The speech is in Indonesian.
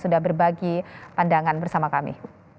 sudah berbagi pandangan bersama kami